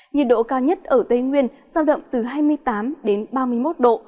nhiệt độ cao nhất ở tây nguyên giao động từ hai mươi tám đến ba mươi một độ